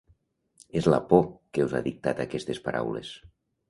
És la por, que us ha dictat aquestes paraules!